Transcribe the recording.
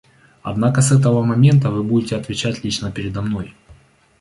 Однако с этого момента вы будете отвечать лично передо мной.